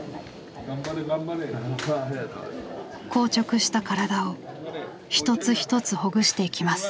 硬直した体を一つ一つほぐしていきます。